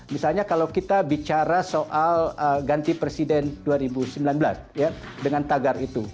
misalnya kalau kita bicara soal ganti presiden dua ribu sembilan belas dengan tagar itu